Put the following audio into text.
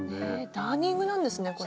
ダーニングなんですねこれ。